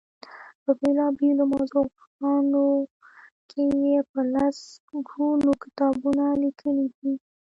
په بېلا بېلو موضوعګانو کې یې په لس ګونو کتابونه لیکلي دي.